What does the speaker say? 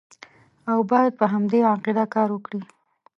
او باید په همدې عقیده کار وکړي.